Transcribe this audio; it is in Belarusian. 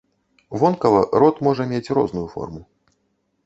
Вонкава рот можа мець розную форму.